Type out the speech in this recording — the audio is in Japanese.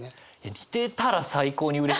似てたら最高にうれしいですけどね。